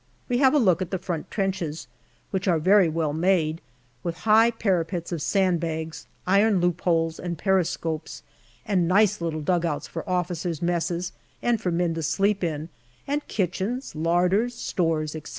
We have a look at the front trenches, which are very well made, with high parapets of sand bags, iron loopholes, and periscopes, and nice little dugouts for officers' messes and for men to sleep in, and kitchens, larders, stores, etc.